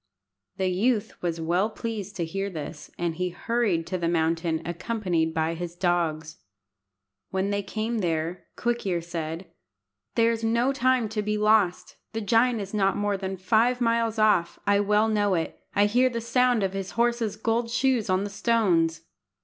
The youth was well pleased to hear this, and he hurried to the mountain accompanied by his dogs. When they came there, Quick ear said "There is no time to be lost. The giant is not more than five miles off. I well know it. I hear the sound of his horse's gold shoes on the stones."